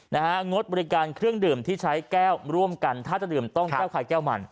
งดบริการเครื่องดื่มที่ใช้แก้วร่วมกันถ้าจะดื่มต้องแก้วไข่แก้วมัน